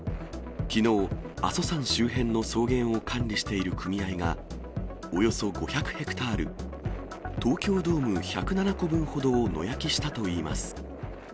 きのう、阿蘇山周辺の草原を管理している組合が、およそ５００ヘクタール、東京ドーム１０７個分ほどを野焼きしたといいます。